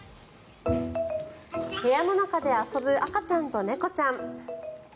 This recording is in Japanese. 部屋の中で遊ぶ赤ちゃんと猫ちゃん。